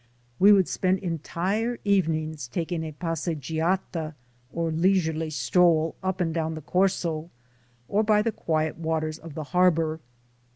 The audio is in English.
We would spend entire evenings taking a "passegiata," or leisurely stroll, up and down the Corso or by the quiet waters of the harbor.